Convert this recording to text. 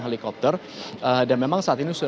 helikopter dan memang saat ini